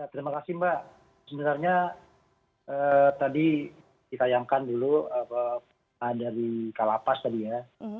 terima kasih mbak sebenarnya tadi ditayangkan dulu dari kalapas tadi ya